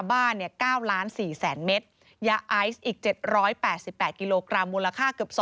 เกี่ยวกับยาเสพติดนะครับ